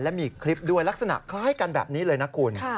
และมีคลิปด้วยลักษณะคล้ายกันแบบนี้เลยนะคุณ